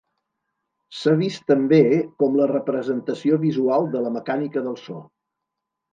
S'ha vist també com la representació visual de la mecànica del so.